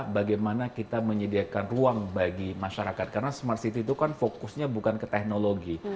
bagaimana kita menyediakan ruang bagi masyarakat karena smart city itu kan fokusnya bukan ke teknologi